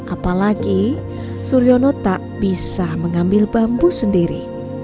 apalagi suriono tak bisa mengambil bambu ini